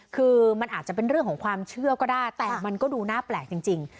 คือมันอาจจะเป็นเรื่องของความเชื่อก็ได้แต่มันก็ดูน่าแปลกจริง